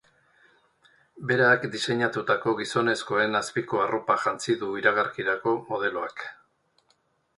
Berak diseinatutako gizonezkoen azpiko arropa jantzi du iragarkirako modeloak.